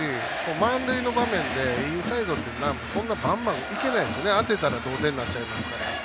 満塁の場面でインサイドってそんなにバンバンいけないんで当てたら同点になっちゃいますから。